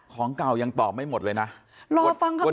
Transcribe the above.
ของเก่ายังตอบไม่หมดเลยนะรอฟังคำว่า